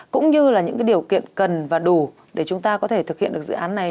cũng như là những điều kiện cần và đủ để chúng ta có thể thực hiện được dự án này